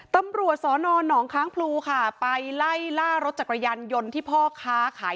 ตำรวจสอนอนหนองค้างพลูค่ะไปไล่ล่ารถจักรยานยนต์ที่พ่อค้าขาย